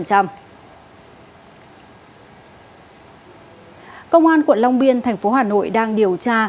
công an quận long biên tp hà nội đang điều tra